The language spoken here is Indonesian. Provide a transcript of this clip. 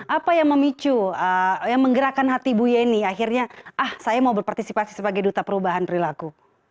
apa yang memicu yang menggerakkan hati bu yeni akhirnya ah saya mau berpartisipasi sebagai duta perubahan perilaku